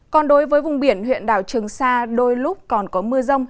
còn đối với vùng biển huyện đảo trường sa đôi lúc còn có mưa rông